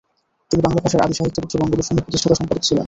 তিনি বাংলা ভাষার আদি সাহিত্যপত্র বঙ্গদর্শনের প্রতিষ্ঠাতা সম্পাদক ছিলেন।